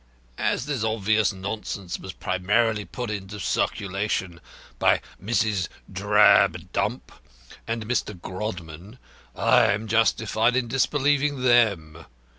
As this obvious nonsense was primarily put in circulation by Mrs. Drabdump and Mr. Grodman, I am justified in disbelieving them.